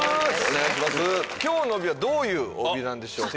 今日の帯はどういう帯なんでしょう？